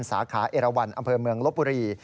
สาขาเอราวันอำเภอเมืองลบบุรี